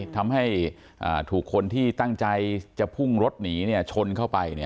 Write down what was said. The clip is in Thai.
ทำให้อ่าถูกคนที่ตั้งใจจะพุ่งรถหนีเนี้ยชนเข้าไปเนี้ย